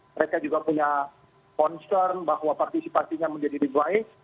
mereka juga punya concern bahwa partisipasinya menjadi lebih baik